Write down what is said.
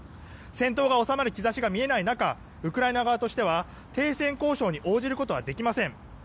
戦闘が収まる兆しが見えない中ウクライナ側としては停戦交渉に応じることはできません。